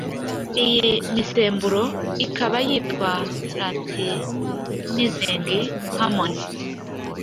iyi misemburo ikaba yitwa luteinizing hormone